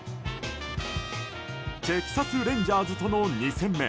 テキサス・レンジャーズとの２戦目。